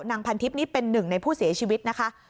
พันทิพย์นี่เป็นหนึ่งในผู้เสียชีวิตนะคะ